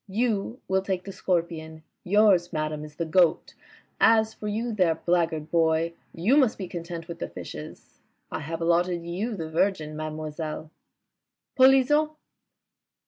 You will take the Scorpion. Yours, madame, is the Goat. As for you there, blackguard boy, you must be content wdth the Fishes. I have allotted you the Virgin, mademoiselle." ..." Polisson